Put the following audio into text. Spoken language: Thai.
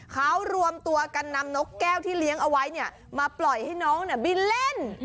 เขารวมตัวกันนำนกแก้วที่เลี้ยงเอาไว้เนี่ยมาปล่อยให้น้องบินเล่น